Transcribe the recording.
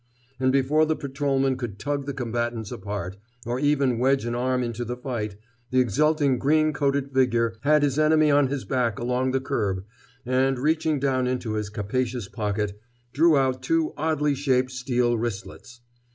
And before the patrolman could tug the combatants apart, or even wedge an arm into the fight, the exulting green coated figure had his enemy on his back along the curb, and, reaching down into his capacious pocket, drew out two oddly shaped steel wristlets.